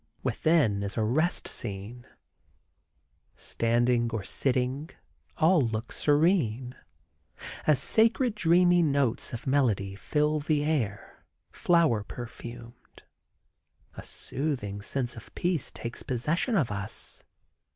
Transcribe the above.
Within is a rest scene. Standing or sitting, all look serene, as sacred dreamy notes of melody fill the air, flower perfumed. A soothing sense of peace takes possession of us.